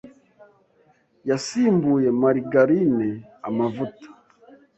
Yasimbuye margarine amavuta.